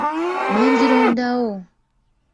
Ne ngirondawo!